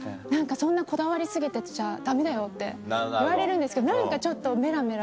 そんなこだわり過ぎてちゃダメだよ！って言われるんですけど何かちょっとメラメラ。